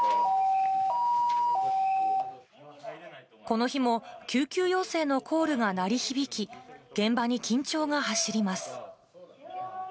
この日も、救急要請のコールが鳴り響き、現場に緊張が走ります。